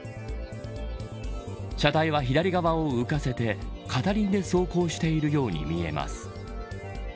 車体は左側を浮かせて片輪で走行しているように見えます。